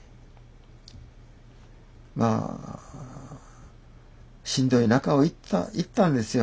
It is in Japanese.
まあしんどい中を行ったんですよ